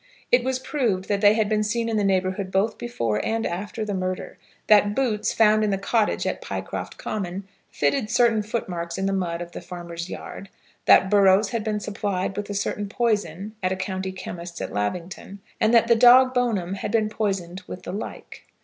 It was proved that they had been seen in the neighbourhood both before and after the murder; that boots found in the cottage at Pycroft Common fitted certain footmarks in the mud of the farmer's yard; that Burrows had been supplied with a certain poison at a county chemist's at Lavington, and that the dog Bone'm had been poisoned with the like.